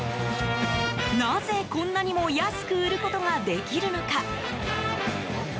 なぜ、こんなにも安く売ることができるのか？